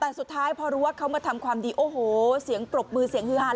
แต่สุดท้ายพอรู้ว่าเขามาทำความดีโอ้โหเสียงปรบมือเสียงฮือฮาน